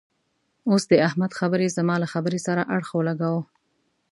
اوس د احمد خبرې زما له خبرې سره اړخ و لګاوو.